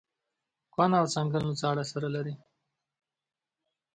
کونه او څنگل نو څه اړه سره لري.